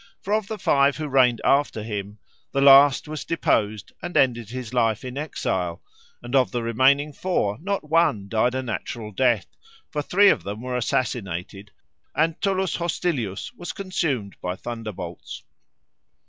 For of the five who reigned after him the last was deposed and ended his life in exile, and of the remaining four not one died a natural death; for three of them were assassinated and Tullus Hostilius was consumed by thunderbolts."